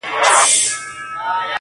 مګر اوس نوی دور نوی فکر نوی افغان.